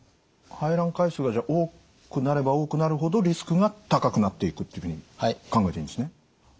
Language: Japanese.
排卵回数がじゃあ多くなれば多くなるほどリスクが高くなっていくっていうふうに考えていいんですね。